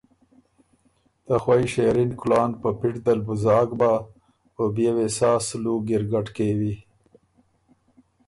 ”ته خوئ شېرِن کُلان په پِټ دل بُو زاک بَۀ او بيې وې سا سلوک ګِرګډ کېوی؟“